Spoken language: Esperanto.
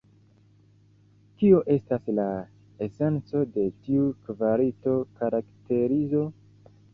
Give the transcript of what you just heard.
Kio estas la esenco de tiu kvalito-karakterizo?